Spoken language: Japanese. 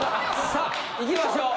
さいきましょう。